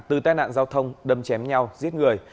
từ tai nạn giao thông đâm chém nhau giết người